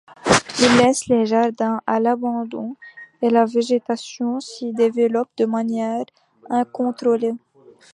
Il laisse les jardins à l'abandon et la végétation s'y développe de manière incontrôlée.